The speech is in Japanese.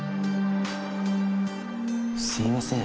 すいません。